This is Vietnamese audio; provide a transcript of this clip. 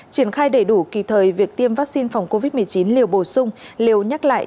triển khai đầy đủ kịp thời việc tiêm vaccine phòng covid một mươi chín liều bổ sung liều nhắc lại